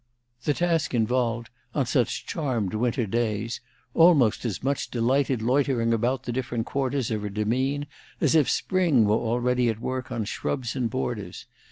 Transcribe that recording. The task involved on such charmed winter days almost as much delighted loitering about the different quarters of her demesne as if spring were already at work on shrubs and borders.